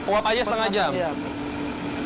wap saja setengah jam